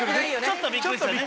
ちょっとびっくりしたね。